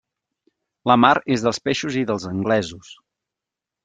La mar és dels peixos i dels anglesos.